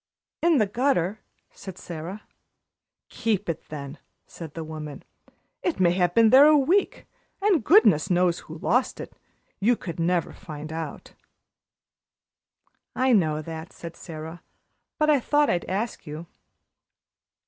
"In the gutter," said Sara. "Keep it, then," said the woman. "It may have been there a week, and goodness knows who lost it. You could never find out." "I know that," said Sara, "but I thought I'd ask you."